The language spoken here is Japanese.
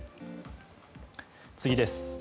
次です。